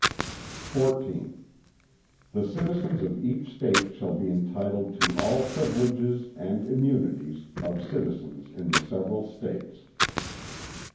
XIIII The citizens of each State shall be entitled to all privileges and immunities of citizens in the several States.